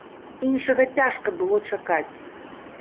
Іншага цяжка было чакаць.